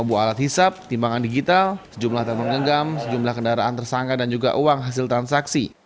lima buah alat hisap timbangan digital sejumlah termenggenggam sejumlah kendaraan tersangka dan juga uang hasil transaksi